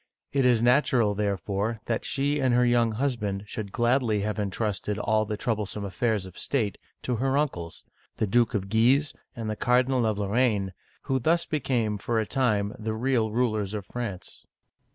It is natural, therefore, that she and her young husband should gladly have intrusted all the troublesome affairs of state to her uncles, the Duke of Guise and the Cardinal of Lorraine, who thus became, for a time, the real rulers of France.